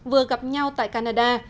vừa gặp nhau tại canada